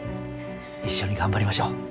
一緒に頑張りましょう。